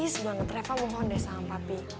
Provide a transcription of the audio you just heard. please banget reva mohon deh sama papi